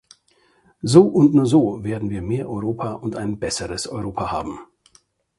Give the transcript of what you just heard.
So, und nur so, werden wir mehr Europa und ein besseres Europa haben.